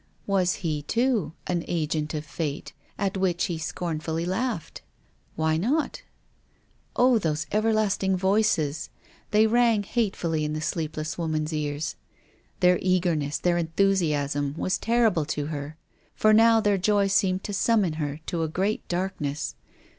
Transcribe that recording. Was he, too, an agent of Fate, at which he scorn fully laughed ? Why not ? Oh, those everlasting voices ! they rang hate fully in the sleepless woman's ears. Their eager ness, their enthusiasm, were terrible to her. For now their joy seemed to summon her to a great darkness.